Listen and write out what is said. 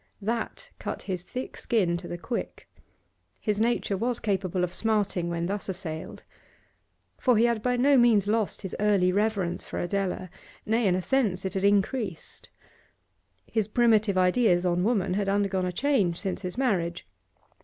That cut his thick skin to the quick; his nature was capable of smarting when thus assailed. For he had by no means lost his early reverence for Adela; nay, in a sense it had increased. His primitive ideas on woman had undergone a change since his marriage.